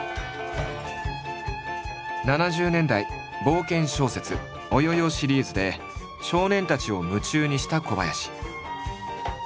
７０年代冒険小説「オヨヨ」シリーズで少年たちを夢中にした小林。